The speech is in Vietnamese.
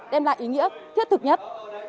đem lại ý nghĩa thiết thực nhất